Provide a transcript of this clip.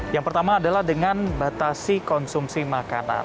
yang pertama adalah dengan batasi konsumsi makanan